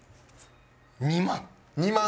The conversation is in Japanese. ２万。